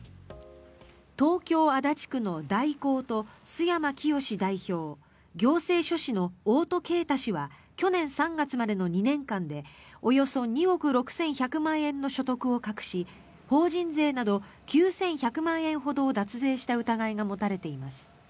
東京・足立区の大光と須山潔代表行政書士の大戸啓太氏は去年３月までの２年間でおよそ２億６１００万円の所得を隠し法人税など９１００万円ほどを脱税した疑いが持たれています。